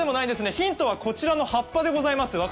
ヒントはこちらの葉っぱでございます。